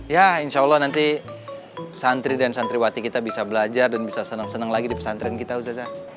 ya insya allah nanti santri dan santriwati kita bisa belajar dan bisa senang senang lagi di pesantren kita uzaza